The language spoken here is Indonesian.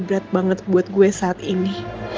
berat banget buat gue saat ini